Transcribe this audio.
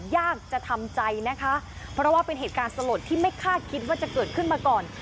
ยากจะทำใจนะคะเพราะว่าเป็นเหตุการณ์สลดที่ไม่คาดคิดว่าจะเกิดขึ้นมาก่อน